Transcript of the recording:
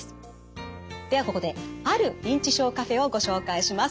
ではここである認知症カフェをご紹介します。